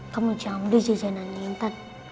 kamu jangan beli jajanan ini intan